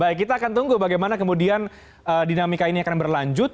baik kita akan tunggu bagaimana kemudian dinamika ini akan berlanjut